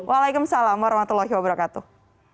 waalaikumsalam warahmatullahi wabarakatuh